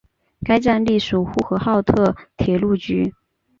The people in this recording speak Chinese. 该站隶属呼和浩特铁路局。